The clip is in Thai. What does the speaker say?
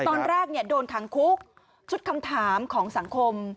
ตอนแรกโดนขังคุกชุดคำถามของสังคม